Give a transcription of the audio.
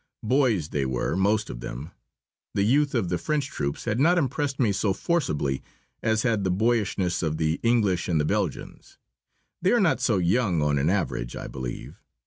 Boys they were, most of them. The youth of the French troops had not impressed me so forcibly as had the boyishness of the English and the Belgians. They are not so young, on an average, I believe.